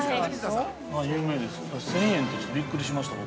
１０００円ってびっくりしました、僕。